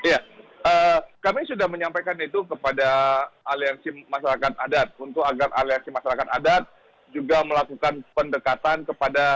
ya kami sudah menyampaikan itu kepada aliansi masyarakat adat untuk agar aliansi masyarakat adat juga melakukan pendekatan kepada